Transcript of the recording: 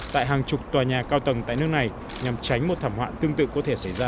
tại hàng chục tòa nhà cao tầng tại nước này nhằm tránh một thảm họa tương tự có thể xảy ra